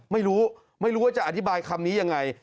ไม่รู้ไม่รู้ว่าจะอธิบายคำนี้ยังไง